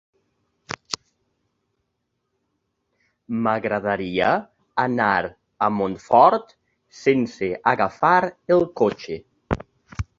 M'agradaria anar a Montfort sense agafar el cotxe.